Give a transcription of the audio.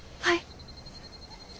はい。